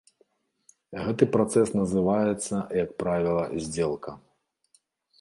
Гэты працэс называецца, як правіла, здзелка.